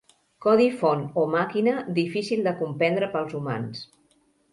codi font o màquina difícil de comprendre pels humans.